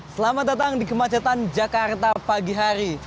selamat datang di kemacetan jakarta pagi hari